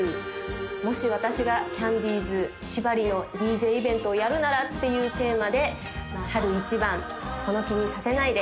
もし私がキャンディーズ縛りをＤＪイベントをやるならっていうテーマで「春一番」「その気にさせないで」